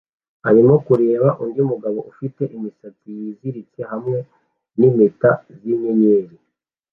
arimo kureba undi mugore ufite imisatsi yiziritse hamwe nimpeta zinyenyeri